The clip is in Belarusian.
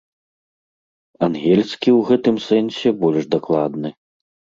Ангельскі ў гэтым сэнсе больш дакладны.